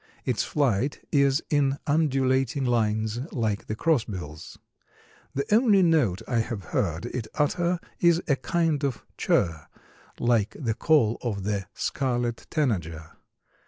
Its flight is in undulating lines, like the crossbills. The only note I have heard it utter is a kind of churr, like the call of the scarlet tanager.